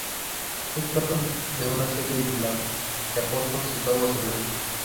Se tratan de una serie de lagos, que aportan sus aguas al río.